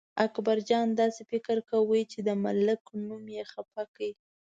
اکبرجان داسې فکر کاوه چې د ملک نوم یې خپه کړی.